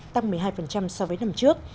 tăng một mươi hai so với năm trước